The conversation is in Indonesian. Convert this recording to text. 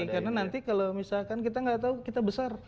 karena nanti kalau misalkan kita nggak tahu kita besar